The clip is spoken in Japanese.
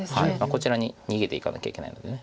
こちらに逃げていかなきゃいけないので。